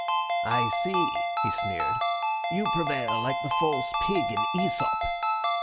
'I see,' he sneered, 'you prevail like the false pig in Æsop.